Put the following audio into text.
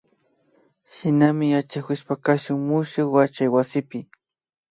Shinami yachakushpa kashun sumak yachaywasipi